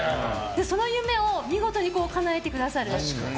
その夢を見事にかなえてくださる。